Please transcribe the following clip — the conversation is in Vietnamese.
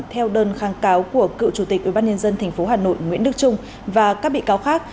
theo đơn kháng cáo của cựu chủ tịch ubnd tp hà nội nguyễn đức trung và các bị cáo khác